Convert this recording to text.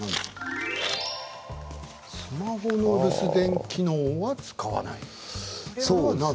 スマホの留守電機能は使わない。